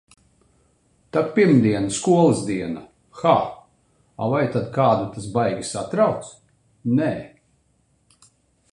Tak pirmdiena skolas diena. Ha, a vai tad kādu tas baigi satrauc? Nē!